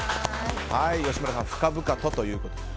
吉村さん、深々とということで。